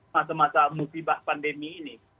masa masa musibah pandemi ini